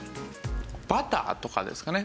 バターとかですかね。